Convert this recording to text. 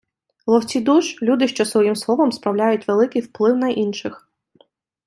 Ловці душ — люди, що своїм словом справляють великий вплив на інших